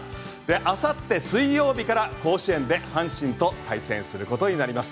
明後日水曜日から甲子園で阪神と対戦することになります。